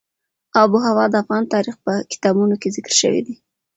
آب وهوا د افغان تاریخ په کتابونو کې ذکر شوی دي.